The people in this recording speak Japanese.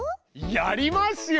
やりますよ！